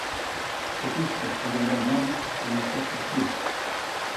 É triste ter un gran nome e non ter fortuna